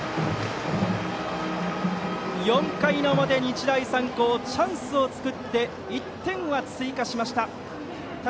４回の表、日大三高チャンスを作って１点は追加しました。